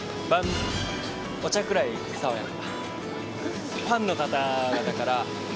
お茶くらい爽やか。